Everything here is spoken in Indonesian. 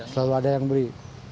selalu ada yang beli